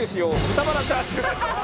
豚バラチャーシューです。